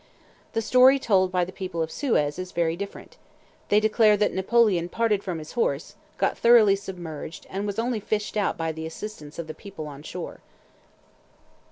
The story told by the people of Suez is very different: they declare that Napoleon parted from his horse, got thoroughly submerged, and was only fished out by the assistance of the people on shore.